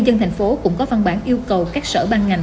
bộ y tế tp hcm cũng có văn bản yêu cầu các sở ban ngành